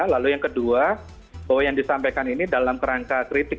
lalu yang kedua bahwa yang disampaikan ini dalam kerangka kritik